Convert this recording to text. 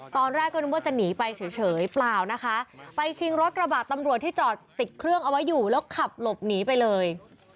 ตอนแรกก็นึกว่าจะหนีไปเฉยเปล่านะคะไปชิงรถกระบาดตำรวจที่จอดติดเครื่องเอาไว้อยู่แล้วขับหลบหนีไปเลย